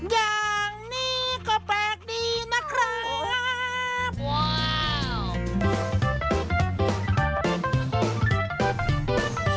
อย่างนี้ก็แปลกดีนะครับว้าว